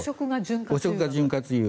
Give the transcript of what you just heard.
汚職が潤滑油。